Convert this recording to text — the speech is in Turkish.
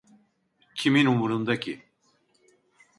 Kimin umrunda ki?